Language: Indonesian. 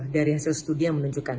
dari hasil studi yang menunjukkan